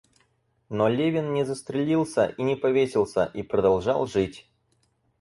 Но Левин не застрелился и не повесился и продолжал жить.